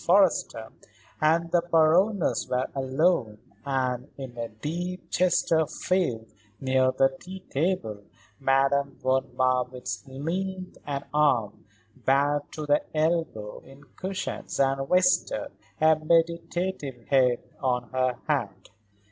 Forrester and the Baroness were alone and, in a deep Chesterfield near the tea table, Madame von Marwitz leaned an arm, bared to the elbow, in cushions and rested a meditative head on her hand.